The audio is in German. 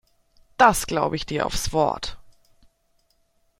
Das glaube ich dir aufs Wort.